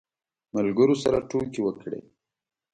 ملګرو سره ټوکې وکړې.